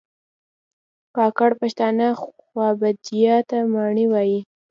کاکړ پښتانه خوابدیا ته ماڼی وایي